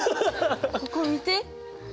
ここ見て！